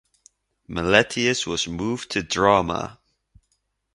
Meletius was moved to Drama.